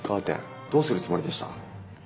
どうするつもりでした？